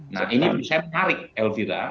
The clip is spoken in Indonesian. nah ini menarik elvira